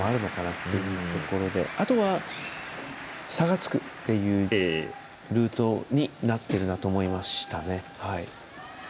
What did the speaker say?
ってところであとは、差がつくっていうルートになっているなと思いましたね。